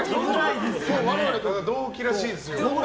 我々と同期らしいんですよ。